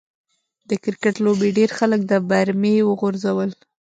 د کرکټ لوبې ډېر خلک د برمې و غورځول.